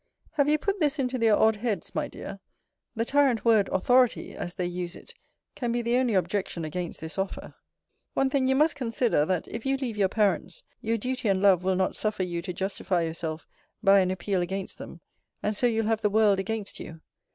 Have you put this into their odd heads, my dear? The tyrant word AUTHORITY, as they use it, can be the only objection against this offer. One thing you must consider, that, if you leave your parents, your duty and love will not suffer you to justify yourself by an appeal against them; and so you'll have the world against you.